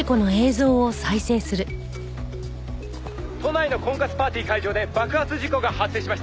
「都内の婚活パーティー会場で爆発事故が発生しました」